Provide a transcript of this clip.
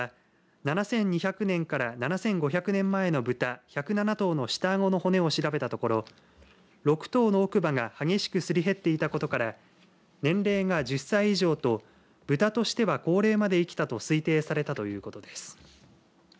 ７２００年から７５００年前のブタ１０７頭の下あごの骨を調べたところ６頭の奥歯が激しくすり減っていたことから年齢が１０歳以上とブタとしては高齢まで生きたと推定されたということです。